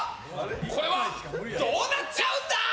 これは、どうなっちゃうんだ？